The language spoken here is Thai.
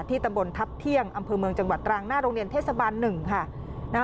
ตำบลทัพเที่ยงอำเภอเมืองจังหวัดตรังหน้าโรงเรียนเทศบาล๑ค่ะ